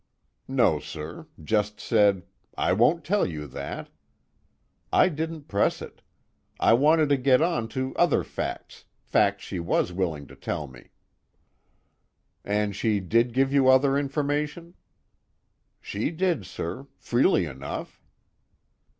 "No, sir. Just said: 'I won't tell you that.' I didn't press it. I wanted to get on to other facts, facts she was willing to tell me." "And she did give you other information?" "She did, sir, freely enough."